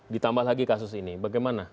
ditambah lagi kasus ini bagaimana